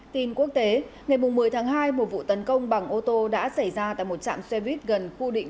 tin quốc tế ngày một mươi tháng hai một vụ tấn công bằng ô tô đã xảy ra tại một trạm xe buýt gần khu định